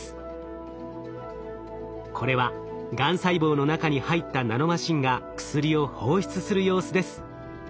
これはがん細胞の中に入ったナノマシンが薬を放出する様子です。